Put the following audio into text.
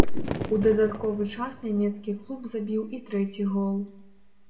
У дадатковы час нямецкі клуб забіў і трэці гол.